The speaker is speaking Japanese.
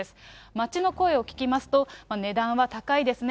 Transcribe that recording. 街の声を聞きますと、値段は高いですね。